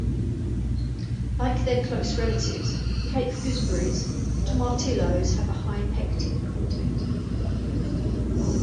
Like their close relatives, cape gooseberries, tomatillos have a high pectin content.